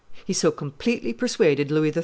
He so completely persuaded Louis XIII.